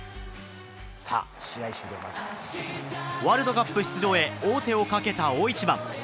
ワールドカップ出場へ王手をかけた大一番。